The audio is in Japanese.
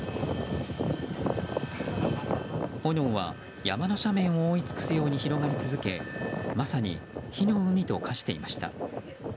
炎は山の斜面を覆い尽くすように広がり続けまさに火の海と化していました。